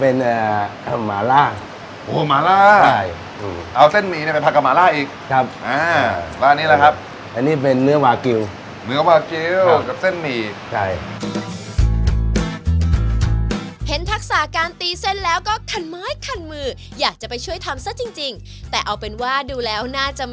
เอามาดูในวันนี้เมนูเส้นแล้วกันเมนูเส้นของเราเนี้ยเรามีเมนูอะไรมาแนะนำบ้างครับ